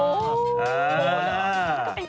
นุ่นหนุ่นหน้ารัก